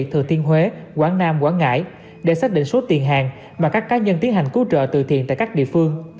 thừa thiên huế quảng nam quảng ngãi để xác định số tiền hàng mà các cá nhân tiến hành cứu trợ từ thiện tại các địa phương